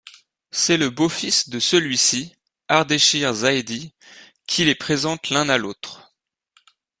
C'est le beau-fils de celui-ci, Ardeshir Zahedi, qui les présente l'un à l'autre.